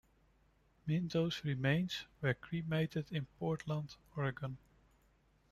Minto's remains were cremated in Portland, Oregon.